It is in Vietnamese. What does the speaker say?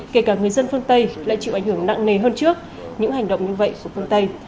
kể cả người dân phương tây lại chịu ảnh hưởng nặng nề hơn trước những hành động như vậy của phương tây